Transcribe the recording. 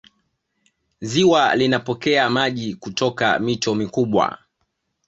ziwa linapokea maji kutoka mito mikubwa